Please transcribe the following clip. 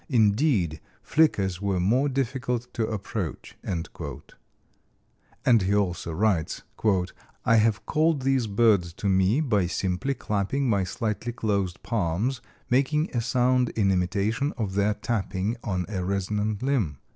Indeed, flickers were more difficult to approach," and he also writes: "I have called these birds to me by simply clapping my slightly closed palms, making a sound in imitation of their tapping on a resonant limb."